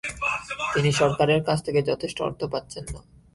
তিনি সরকারের কাছ থেকে যথেষ্ট অর্থ পাচ্ছেন না।